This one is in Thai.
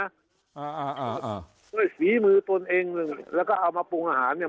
อ่าอ่าด้วยฝีมือตนเองแล้วก็เอามาปรุงอาหารเนี้ย